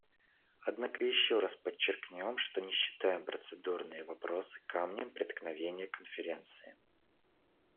Однако еще раз подчеркнем, что не считаем процедурные вопросы камнем преткновения Конференции.